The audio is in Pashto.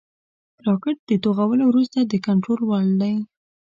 راکټ د توغولو وروسته د کنټرول وړ دی